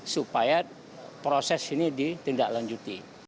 supaya proses ini ditindaklanjuti